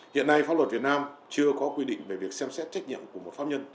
hiện nay pháp luật việt nam chưa có quy định về việc xem xét trách nhiệm của một pháp nhân